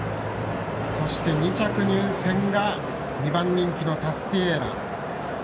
そして、２着入線が２番人気のタスティエーラ。